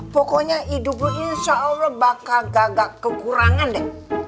pokoknya hidup gue insya allah bakal gagak kekurangan deh